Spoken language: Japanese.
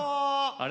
あれ？